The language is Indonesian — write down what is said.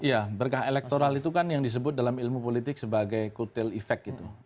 ya berkah elektoral itu kan yang disebut dalam ilmu politik sebagai kutil efek gitu